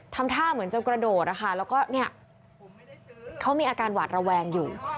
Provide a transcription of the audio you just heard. ทำท่าเหมือนจะกระโดดนะคะแล้วก็เนี่ยเขามีอาการหวาดระแวงอยู่